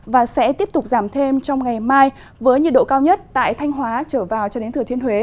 và sẽ tiếp tục giảm thêm trong ngày mai với nhiệt độ cao nhất tại thanh hóa trở vào cho đến thừa thiên huế